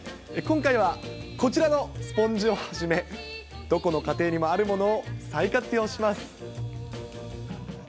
今回はこちらのスポンジをはじめ、どこの家庭にもあるものを再活用します。